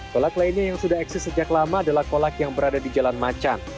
kolak lainnya yang sudah eksis sejak lama adalah kolak yang berada di jalan macan